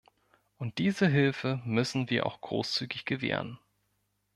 Und diese Hilfe müssen wir auch großzügig gewähren.